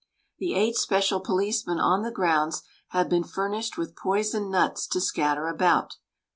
The eight special policemen on the grounds have been furnished with poisoned nuts to scatter about.